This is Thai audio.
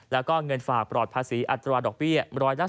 แล้วก็เงินฝากปลอดภาษีอัตราดอกเบี้ย๑๓